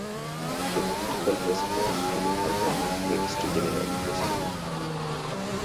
The critical response to the album was mixed to generally positive.